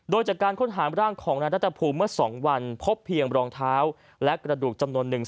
โดยจากการค้นหาร่างของนายรัฐภูมิเมื่อ๒วันพบเพียงรองเท้าและกระดูกจำนวนหนึ่ง